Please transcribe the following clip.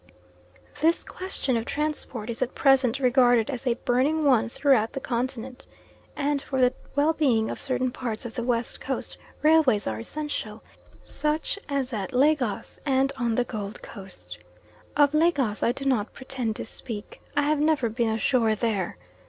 This question of transport is at present regarded as a burning one throughout the Continent; and for the well being of certain parts of the West Coast railways are essential, such as at Lagos, and on the Gold Coast. Of Lagos I do not pretend to speak. I have never been ashore there.